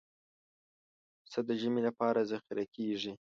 پسه د ژمي لپاره ذخیره کېږي.